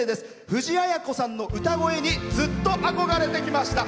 藤あや子さんの歌声にずっと憧れてきました。